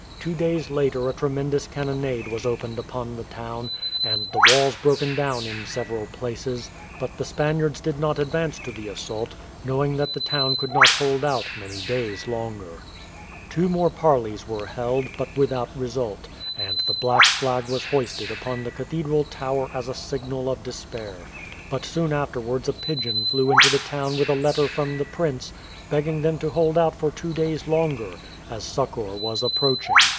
Two days later a tremendous cannonade was opened upon the town, and the walls broken down in several places, but the Spaniards did not advance to the assault, knowing that the town could not hold out many days longer. Two more parleys were held, but without result, and the black flag was hoisted upon the cathedral tower as a signal of despair; but soon afterwards a pigeon flew into the town with a letter from the prince, begging them to hold out for two days longer, as succour was approaching.